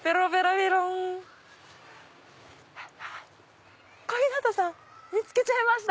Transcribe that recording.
ヤバい！小日向さん見つけちゃいました。